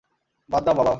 বাদ দাও বাবা!